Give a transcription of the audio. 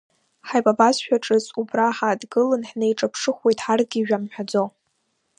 Ҳаибабазшәа ҿыц, убра ҳааҭгылан, ҳнеиҿаԥшыхуеит ҳарҭгьы жәа мҳәаӡо.